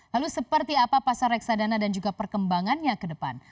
lalu seperti apa pasar reksadana dan juga perkembangannya ke depan